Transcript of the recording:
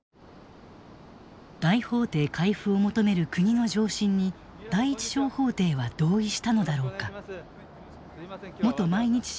大法廷回付を求める国の上申に第一小法廷は同意したのだろうか。